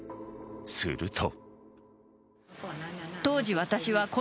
すると。